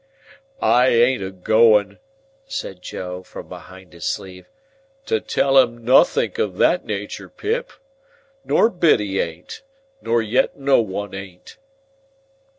"I ain't a going," said Joe, from behind his sleeve, "to tell him nothink o' that natur, Pip. Nor Biddy ain't. Nor yet no one ain't."